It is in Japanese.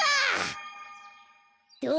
どう？